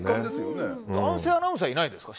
男性アナウンサーはいないですか？